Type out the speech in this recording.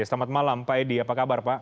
selamat malam pak edi apa kabar pak